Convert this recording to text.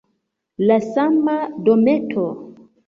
La sama dometo!